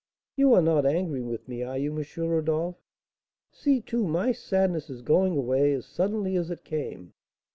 You are not angry with me, are you, M. Rodolph? See, too, my sadness is going away as suddenly as it came.